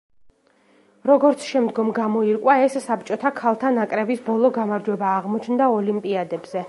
როგორც შემდგომ გამოირკვა ეს საბჭოთა ქალთა ნაკრების ბოლო გამარჯვება აღმოჩნდა ოლიმპიადებზე.